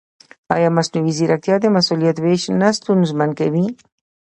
ایا مصنوعي ځیرکتیا د مسؤلیت وېش نه ستونزمن کوي؟